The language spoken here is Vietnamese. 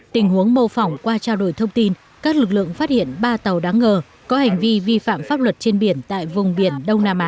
tình huống mô phỏng qua trao đổi thông tin các lực lượng phát hiện ba tàu đáng ngờ có hành vi vi phạm pháp luật trên biển tại vùng biển đông nam á